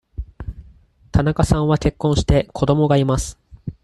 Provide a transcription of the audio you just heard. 田中さんは結婚して、子供がいます。